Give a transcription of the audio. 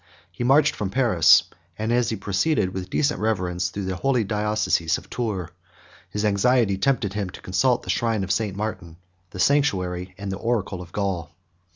He marched from Paris; and as he proceeded with decent reverence through the holy diocese of Tours, his anxiety tempted him to consult the shrine of St. Martin, the sanctuary and the oracle of Gaul.